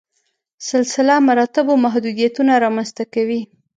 سلسله مراتبو محدودیتونه رامنځته کوي.